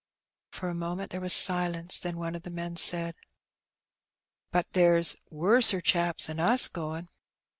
For a moment there was silence, then one of the men said — "But there's wussur chaps 'n us goin'."